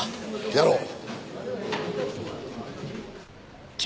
やろう。